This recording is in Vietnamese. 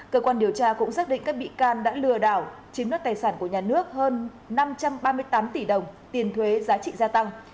cơ quan điều tra cũng xác định các bị can đã lừa đảo chiếm đất tài sản của nhà nước hơn năm trăm ba mươi tám tỷ đồng tiền thuế giá trị gia tăng